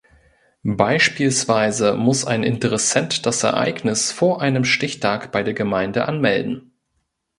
Beispielsweise muss ein Interessent das Ereignis vor einem Stichtag bei der Gemeinde anmelden.